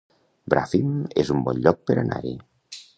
Bràfim es un bon lloc per anar-hi